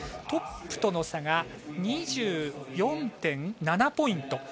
トップとの差が２４．７ポイント。